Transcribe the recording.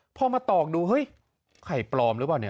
พอมาตอกดูเฮ้ยไข่ปลอมหรือเปล่าเนี่ย